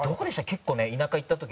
結構ね田舎行った時に。